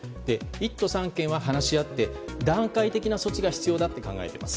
１都３県は話し合って段階的な措置が必要だと考えています。